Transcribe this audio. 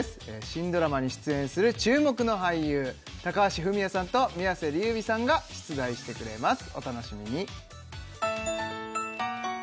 新ドラマに出演する注目の俳優高橋文哉さんと宮世琉弥さんが出題してくれます